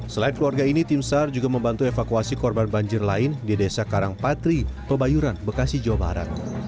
selain keluarga ini tim sar juga membantu evakuasi korban banjir lain di desa karangpatri pebayuran bekasi jawa barat